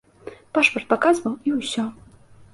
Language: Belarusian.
Пашпарт паказваў, і ўсё.